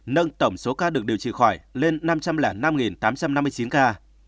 bệnh nhân được điều trị khỏi lên năm trăm linh năm tám trăm năm mươi chín ca